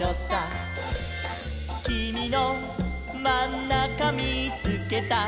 「きみのまんなかみーつけた」